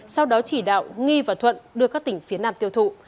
sau đó chỉ đạo nghi và thuận đưa các tỉnh phía nam tiêu thụ